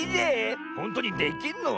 ほんとにできんの？